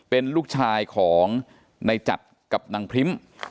เป็นลูกชายของนายจัดกับนางพิมพ์